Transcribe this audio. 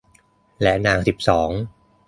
และนางสิบสอง